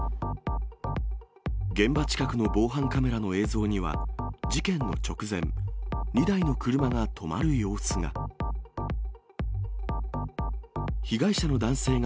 現場近くの防犯カメラの映像には、事件の直前、２台の車が止まる様子が。